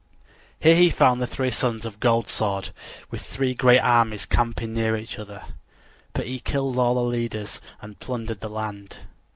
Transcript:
Here he found the three sons of Gold Sword with three great armies camping near each other; but he killed all the leaders and plundered the land.